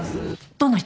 どんな人？